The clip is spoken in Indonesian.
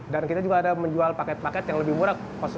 dan kita juga ada menjual paket paket yang lebih murah